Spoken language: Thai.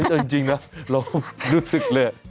เออจริงนะรู้สึกเลย